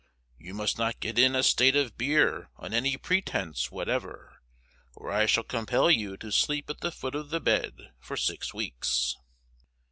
You must not get in a state of beer on any pretence whatever, or I shall compel you to sleep at the foot of the bed for six weeks.